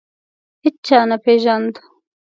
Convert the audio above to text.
هیچا نه پېژاند.